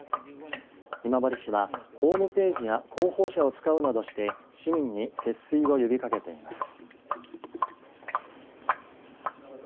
今治市は、ホームページや広報車を使うなどして市民に節水を呼びかけています。